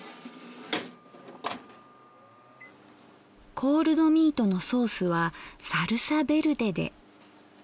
コールドミートのソースはサルサベルデで。